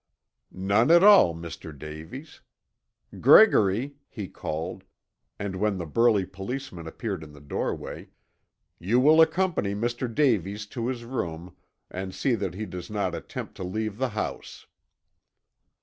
"None at all, Mr. Davies. Gregory," he called, and when the burly policeman appeared in the doorway, "You will accompany Mr. Davies to his room and see that he does not attempt to leave the house."